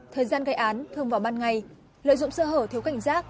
thời gian gây án thường vào ban ngày lợi dụng sơ hở thiếu cảnh giác